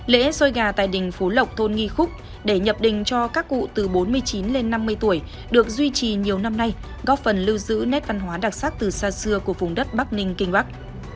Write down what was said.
lễ xôi gà tại đình phú lộc thôn nghi khúc để nhập đình cho các cụ từ bốn mươi chín lên năm mươi tuổi được duy trì nhiều năm nay góp phần lưu giữ nét văn hóa đặc sắc từ xa xưa của vùng đất bắc ninh kinh bắc